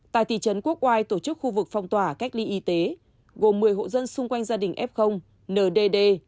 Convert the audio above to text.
tại thị trấn quốc oai tổ chức khu vực phong tỏa cách ly y tế gồm một mươi hộ dân xung quanh gia đình f ndd